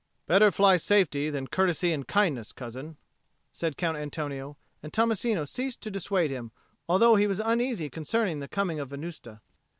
"Better fly safety than courtesy and kindness, cousin," said Count Antonio, and Tommasino ceased to dissuade him, although he was uneasy concerning the coming of Venusta.